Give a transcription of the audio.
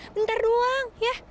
bentar doang ya